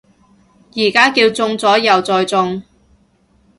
而家叫中咗右再中